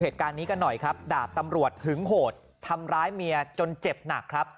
เหตุการณ์นี้กันหน่อยครับดาบตำรวจหึงโหดทำร้ายเมียจนเจ็บหนักครับ